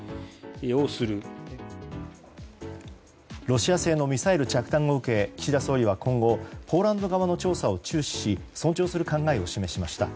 ロシア製のミサイル着弾を受け岸田総理は今後ポーランド側の調査を注視し尊重する考えを示しました。